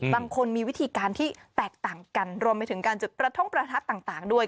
บางคนมีวิธีการที่แตกต่างกันรวมไปถึงการจุดประท้งประทัดต่างด้วย